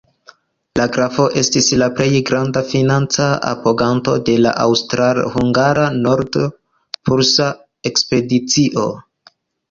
La grafo estis la plej granda financa apoganto de la aŭstra-hungara nord-polusa ekspedicio.